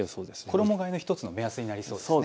衣がえの１つ目安になりそうですね。